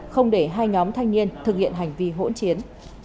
không để hai nhóm thanh niên thực hiện hành vi hỗn chiến